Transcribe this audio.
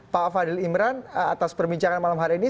pan deli imran atas perbincangan malam hari ini